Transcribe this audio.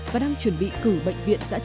và đang chuẩn bị cử bệnh viện giã chiến